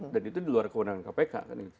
dan itu di luar kewenangan kpk